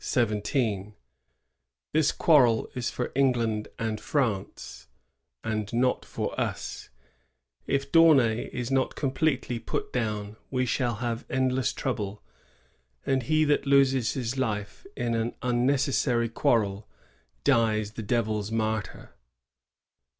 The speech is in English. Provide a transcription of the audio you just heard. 17); this qnarrel is for England and France, and not for us ; if D'Aunay is not completely put down, we shall have endless trouble; and *'he that loses his life in, an unnecessary quarrel dies the devil's martyr."